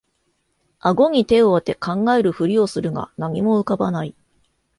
あごに手をあて考えるふりをするが何も浮かばない